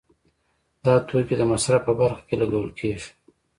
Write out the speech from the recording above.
دا توکي د مصرف په برخه کې لګول کیږي.